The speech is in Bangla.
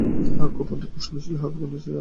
হ্যাঁ, খুব উষ্ণ ছিল।